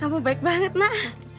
kamu baik banget mak